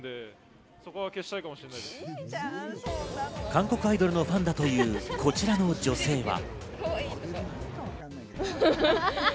韓国アイドルのファンだというこちらの女性は。